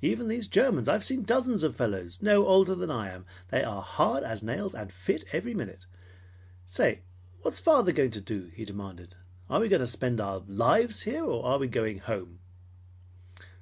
"Then these Germans. I've seen dozens of fellows no older than I am. They are hard as nails and fit every minute. Say, what's father going to do?" he demanded. "Are we going to spend our lives here, or are we going home?"